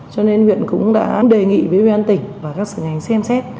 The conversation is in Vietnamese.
cho nên huyện cũng đã đề nghị với ủy ban tỉnh và các sở ngành xem xét